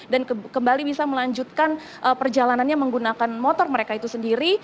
dan kembali bisa melanjutkan perjalanannya menggunakan motor mereka itu sendiri